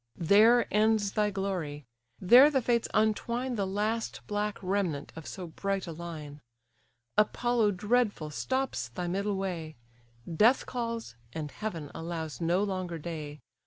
There ends thy glory! there the Fates untwine The last, black remnant of so bright a line: Apollo dreadful stops thy middle way; Death calls, and heaven allows no longer day!